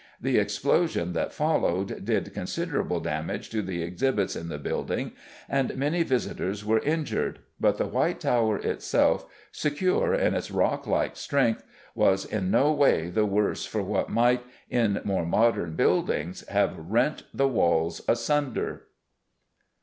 The explosion that followed did considerable damage to the exhibits in the building, and many visitors were injured, but the White Tower itself, secure in its rock like strength, was in no way the worse for what might, in more modern buildings, have rent the walls asunder.